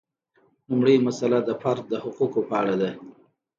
لومړۍ مسئله د فرد د حقوقو په اړه ده.